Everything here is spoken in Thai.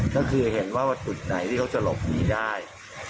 ก็คือเห็นว่าจุดไหนที่เขาจะหลบหนีได้